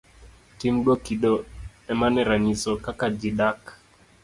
Tim gi kido emane ranyiso kaka ji dak.